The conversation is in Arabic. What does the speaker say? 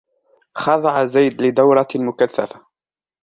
خضع زيد لدورة مكثفة